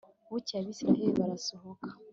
bukeye abayisraheli barasohoka